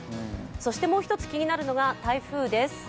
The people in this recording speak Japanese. そして気になるのが台風です。